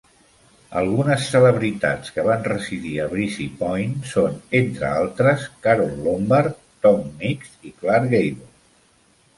Algunes celebritats que van residir a Breezy Point són, entre altres, Carole Lombard, Tom Mix i Clark Gable.